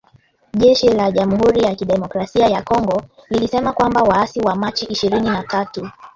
jeshi la jamhuri ya kidemokrasia ya Kongo lilisema kwamba waasi wa Machi ishirini na tatu